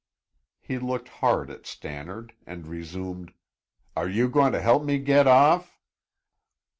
He looked hard at Stannard and resumed: "Are you going to help me get off?"